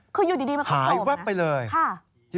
คืออยู่ดีไม่ข้าวโกงนะหายวับไปเลย